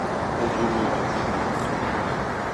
Ул зур юл икән, шомарып беткән.